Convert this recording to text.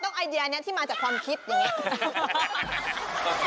ต้องวินิทัลแนวใช้นี้ที่มาจากความคิดอย่างนี้